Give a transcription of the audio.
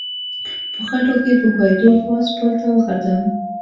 په خټو کې په ښویېدو پاس پل ته وختم.